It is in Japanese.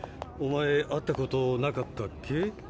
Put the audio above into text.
おまえ会ったことなかったっけ？